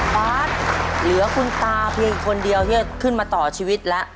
บาทเหลือคุณตาเพียงคนเดียวที่จะขึ้นมาต่อชีวิตแล้ว